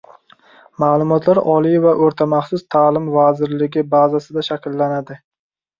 Ma’lumotlar Oliy va o‘rta maxsus ta‘lim vazirligi bazasida shakllanadi